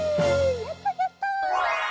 やったやった！